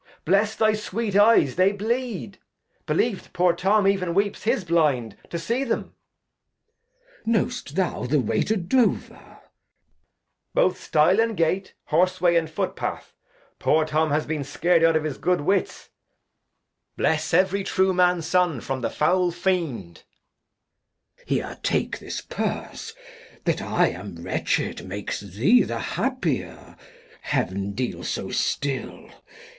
Bless thy sweet Eyes, they bleed ; Beheve't poor Tom ev'n weeps his Blind to see 'em. Act iv] King Lear 227 Glost. Know'st thou the Way to Dover ? Edg. Both Stile and Gate, Horse Way and Foot Path ; poor Tom has been scar'd out of his good Wits ; bless every true Man's Son from the foul Fiend. Glost. Here take this Purse ; that I am wretched Makes thee the happier, Heav'n deal so still.